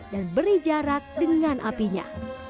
dan beri jarak dengan apinya